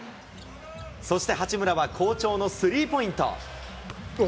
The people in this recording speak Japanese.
そして八村は好調のスリーポイント。